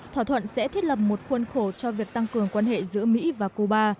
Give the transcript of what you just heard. thỏa thuận sẽ thiết lập một khuôn khổ cho việc tăng cường quan hệ giữa mỹ và cuba